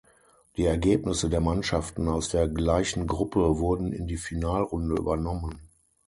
Die Ergebnisse der Mannschaften aus der gleichen Gruppe wurden in die Finalrunde übernommen.